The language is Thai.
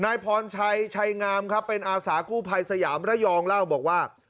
นายพรชัยชัยงามครับเป็นอาสากู้ภัยสยามระยองเล่าบอกว่า